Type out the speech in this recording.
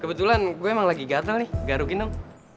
kebetulan gue emang lagi gatel nih garukin dong